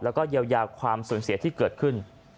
แล้วก็เยียวยาความสูญเสียที่เกิดขึ้น